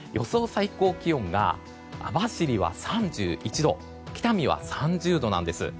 最高気温が網走は３１度北見は３０度なんです。